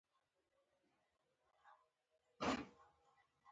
د پاچا کېدلو له امله مبارکي ویلې.